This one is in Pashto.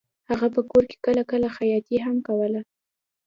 هغه په کور کې کله کله خیاطي هم کوله